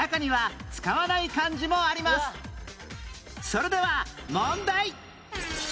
それでは問題